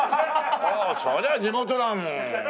そりゃあ地元だもん。